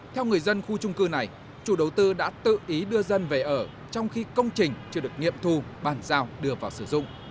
theo người dân khu trung cư này chủ đầu tư đã tự ý đưa dân về ở trong khi công trình chưa được nghiệm thu bàn giao đưa vào sử dụng